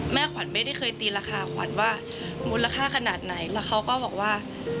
ขวัญไม่ได้เคยตีราคาขวัญว่ามูลค่าขนาดไหนแล้วเขาก็บอกว่า